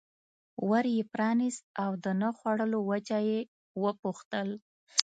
ور یې پرانست او د نه خوړلو وجه یې وپوښتل.